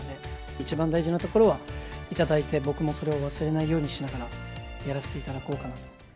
一番大事なところは頂いて、僕もそれを忘れないようにしながら、やらせていただこうかなと。